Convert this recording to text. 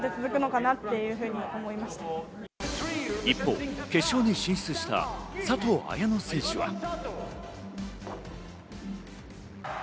一方、決勝に進出した佐藤綾乃選手は。